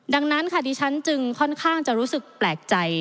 ดังนั้นค่ะดิฉันจึงค่อนข้างจะรู้สึกแปลกใจ